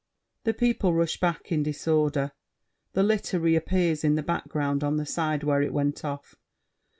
[The people rush back in disorder. The litter reappears in the background on the side where it went off.